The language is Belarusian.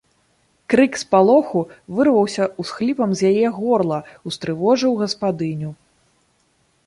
Крык спалоху вырваўся ўсхліпам з яе горла, устрывожыў гаспадыню.